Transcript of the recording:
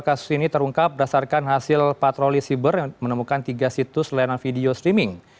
kasus ini terungkap berdasarkan hasil patroli siber yang menemukan tiga situs layanan video streaming